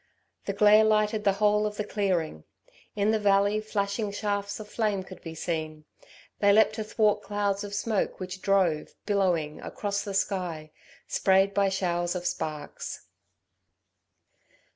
The glare lighted the whole of the clearing. In the valley flashing shafts of flame could be seen. They leapt athwart clouds of smoke which drove, billowing, across the sky, sprayed by showers of sparks.